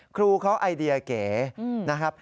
ครูเขาไอเดียเก๋นะครับ